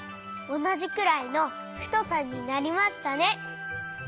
おなじくらいのふとさになりましたね。